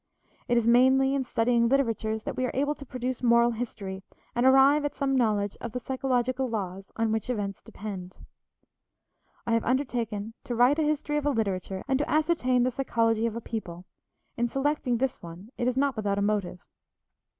It is mainly in studying literatures that we are able to produce moral history, and arrive at some knowledge of the psychological laws on which events depend. I have undertaken to write a history of a literature and to ascertain the psychology of a people; in selecting this one, it is not without a motive.